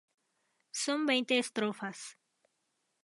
Son veinte estrofas.